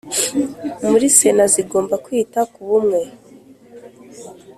Muri Sena zigomba kwita ku bumwe